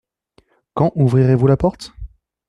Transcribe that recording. Quand ouvrirez-vous la porte ?